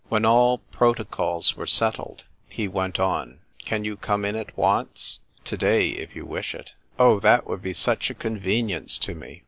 When all protocols were settled he went on, "Can you come in at once ?" "To day, if you wish it." A SAIL ON THE HORIZON. 1 27 "Oh, that would be such a convenience to me